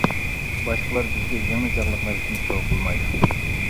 باشقىلار بىزگە يىڭنە چاغلىق نەرسىنى سوغا قىلمايدۇ.